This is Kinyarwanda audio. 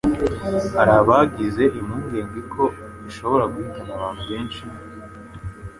hari abagize impungenge ko ishobora guhitana abantu benshi,